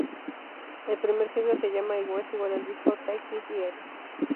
El primer single se llama igual que el disco, "Take It Easy".